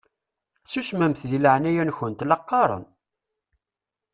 Susmemt deg leɛnaya-nkent la qqaṛen!